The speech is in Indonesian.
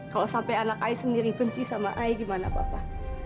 kalau sampai anak ais sendiri benci sama ayah gimana papa